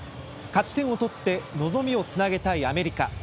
勝ち点を取って望みをつなげたいアメリカ。